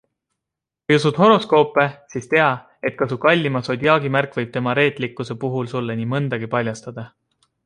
Kui usud horoskoope, siis tea, et ka su kallima sodiaagimärk võib tema reetlikkuse puhul sulle nii mõndagi paljastada.